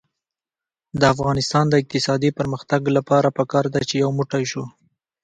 د افغانستان د اقتصادي پرمختګ لپاره پکار ده چې یو موټی شو.